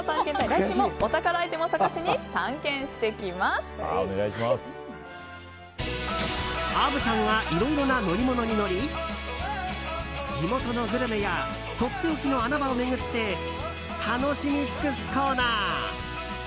来週もお宝アイテムを探しに虻ちゃんがいろいろな乗り物に乗り地元のグルメやとっておきの穴場を巡って楽しみ尽くすコーナー。